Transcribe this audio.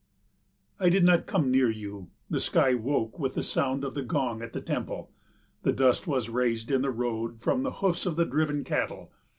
I did not come near you. The sky woke with the sound of the gong at the temple. The dust was raised in the road from the hoofs of the driven cattle.